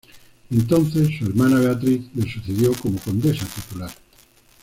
Entonces, su hermana Beatriz, la sucedió como condesa titular.